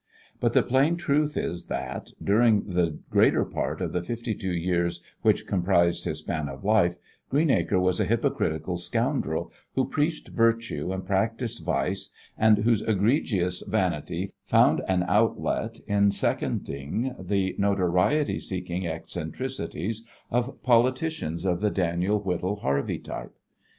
But the plain truth is that, during the greater part of the fifty two years which comprised his span of life, Greenacre was a hypocritical scoundrel who preached virtue and practised vice and whose egregious vanity found an outlet in seconding the notoriety seeking eccentricities of politicians of the Daniel Whittle Harvey type.